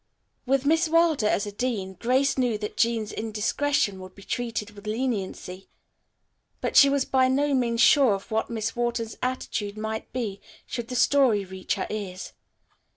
With Miss Wilder as dean, Grace knew that Jean's indiscretion would be treated with leniency, but she was by no means sure of what Miss Wharton's attitude might be should the story reach her ears.